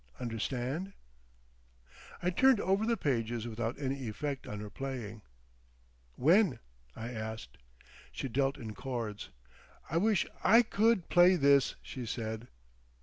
Understand?" I turned over the pages without any effect on her playing. "When?" I asked. She dealt in chords. "I wish I could play this!" she said.